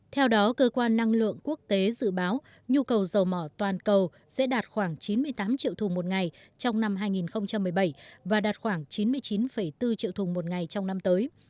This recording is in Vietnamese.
theo đó cơ quan năng lượng quốc tế dự báo nhu cầu dầu mỏ toàn cầu sẽ đạt khoảng chín mươi tám triệu thùng một ngày trong năm hai nghìn một mươi bảy và đạt khoảng chín mươi chín bốn triệu thùng một ngày trong năm tới